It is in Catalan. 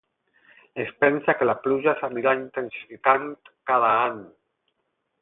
Es pensa que la pluja s'anirà intensificant cada any.